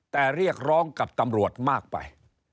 แต่เรียกร้องกับตำรวจมากไป